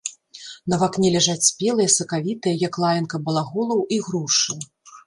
На вакне ляжаць спелыя, сакавітыя, як лаянка балаголаў, ігрушы.